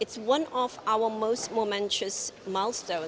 ini salah satu perkembangan yang paling momentan